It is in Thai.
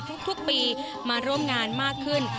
ทุกปีมาร่วมงานมากขึ้น